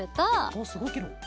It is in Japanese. おっすごいケロ。